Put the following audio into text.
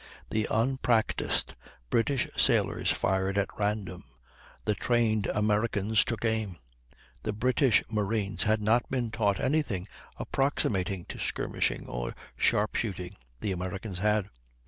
The unpractised British sailors fired at random; the trained Americans took aim. The British marines had not been taught any thing approximating to skirmishing or sharp shooting; the Americans had.